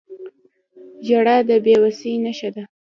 • ژړا د بې وسۍ نښه ده.